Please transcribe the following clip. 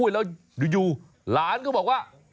แล้วอยู่หลานก็บอกว่า